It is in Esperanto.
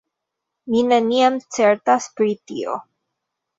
Mi neniam certas pri tio!